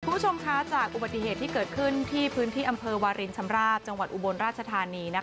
คุณผู้ชมคะจากอุบัติเหตุที่เกิดขึ้นที่พื้นที่อำเภอวารินชำราบจังหวัดอุบลราชธานี